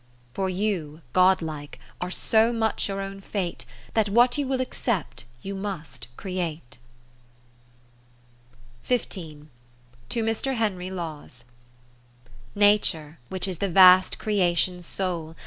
For you (God like) are so much your own fate, That what you will accept you must create. To Mr. Henry Lawes Nature, which is the vast creation's soul.